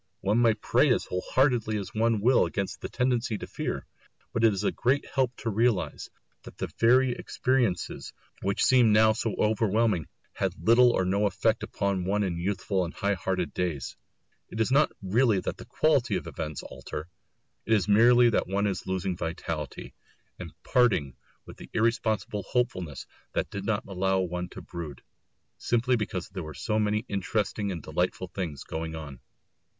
One may pray as whole heartedly as one will against the tendency to fear; but it is a great help to realise that the very experiences which seem now so overwhelming had little or no effect upon one in youthful and high hearted days. It is not really that the quality of events alter; it is merely that one is losing vitality, and parting with the irresponsible hopefulness that did not allow one to brood, simply because there were so many other interesting and delightful things going on.